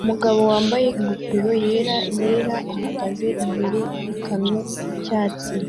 Umugabo wambaye ingofero yera yera ahagaze imbere yikamyo yicyatsi